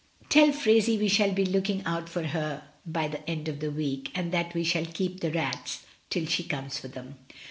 "Tell Phraisie we shall be looking out for her by the end of the week, and that we shall keep the rats till she comes for them."